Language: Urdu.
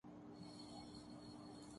الحمدللہ میں کامیاب ہوں۔